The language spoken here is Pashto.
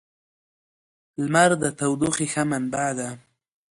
• لمر د تودوخې ښه منبع ده.